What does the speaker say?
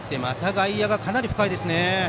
外野がまた深いですね。